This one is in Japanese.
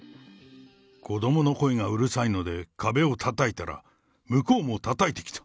子どもの声がうるさいので、壁を叩いたら、向こうもたたいてきた。